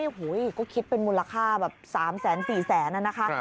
โอ้โหก็คิดเป็นมูลค่าแบบ๓๔แสนน่ะนะคะ